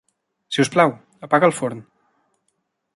Si us plau, apaga el forn.